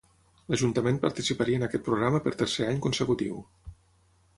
L'Ajuntament participaria en aquest programa per tercer any consecutiu.